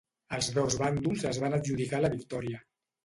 Els dos bàndols es van adjudicar la victòria.